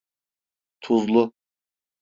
Tuzlu…